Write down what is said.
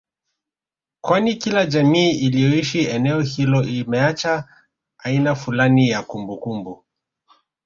kwani kila jamii iliyoishi eneo hilo imeacha aina fulani ya kumbukumbu